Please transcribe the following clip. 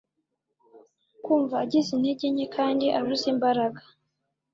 kumva agize intege nke kandi abuze imbaraga